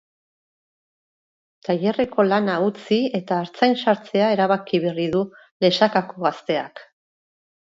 Tailerreko lana utzi eta artzain sartzea erabaki berri du lesakako gazteak.